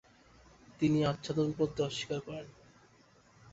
তিনি আচ্ছাদন পড়তে অস্বীকার করেন।